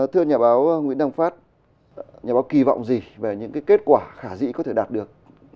thưa nhà báo nguyễn đăng phát nhà báo kỳ vọng gì về những kết quả khả dĩ có thể đạt được